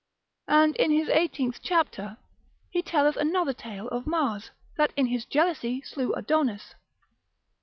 And in his eighteenth chapter he telleth another tale of Mars, that in his jealousy slew Adonis.